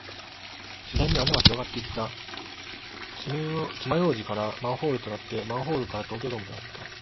次第に穴は広がっていった。爪楊枝からマンホールとなって、マンホールから東京ドームとなった。